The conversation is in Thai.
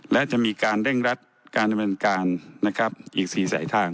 และจะมีการเร่งรับการบรรยายการนะครับอีกสี่สายทาง